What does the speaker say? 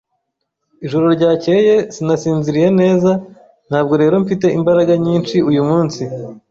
Ijoro ryakeye sinasinziriye neza, ntabwo rero mfite imbaraga nyinshi uyu munsi.